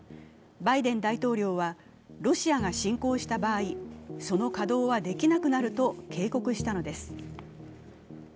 バイデン大統領は、ロシアが侵攻した場合、その稼働はできなくなると警告したのです。